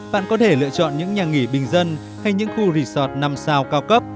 bạn có thể lựa chọn những nhà nghỉ bình dân hay những khu resort năm sao cao cấp